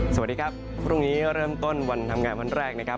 สวัสดีครับพรุ่งนี้เริ่มต้นวันทำงานวันแรกนะครับ